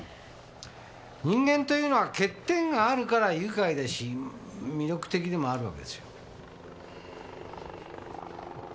人間というのは欠点があるから愉快だし魅力的でもあるわけですよ。